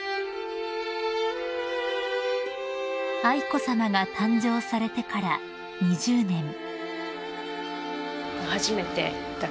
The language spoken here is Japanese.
［愛子さまが誕生されてから２０年］